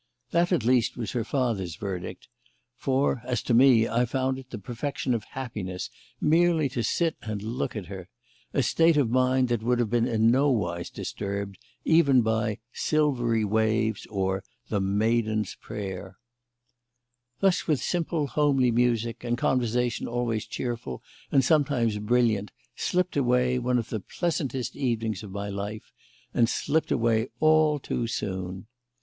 That, at least, was her father's verdict; for, as to me, I found it the perfection of happiness merely to sit and look at her a state of mind that would have been in no wise disturbed even by Silvery Waves or The Maiden's Prayer. Thus with simple, homely music, and conversation always cheerful and sometimes brilliant, slipped away one of the pleasantest evenings of my life, and slipped away all too soon.